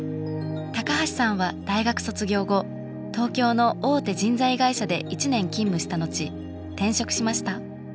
高橋さんは大学卒業後東京の大手人材会社で１年勤務したのち転職しました。